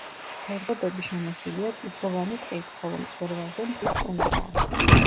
ფერდობები შემოსილია წიწვოვანი ტყით, ხოლო მწვერვალზე მთის ტუნდრაა.